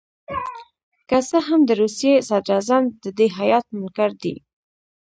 که څه هم د روسیې صدراعظم د دې هیات منکر دي.